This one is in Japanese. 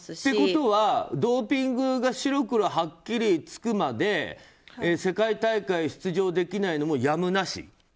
ということはドーピングが白黒はっきりつくまで世界大会出場できないのもやむなし？